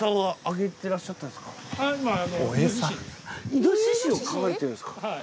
イノシシを飼われてるんですか？